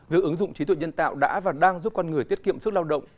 việc ứng dụng trí tuệ nhân tạo đã và đang giúp con người tiết kiệm sức lao động